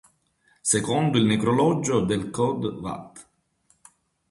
Secondo il necrologio del cod. Vat.